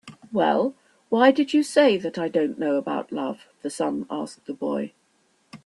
"Well, why did you say that I don't know about love?" the sun asked the boy.